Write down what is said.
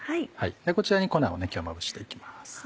こちらに粉をまぶして行きます。